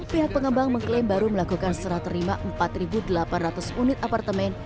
pihak pengembang mengklaim baru melakukan serah terima empat delapan ratus unit apartemen